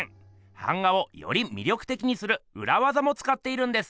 版画をより魅力的にするうらわざもつかっているんです！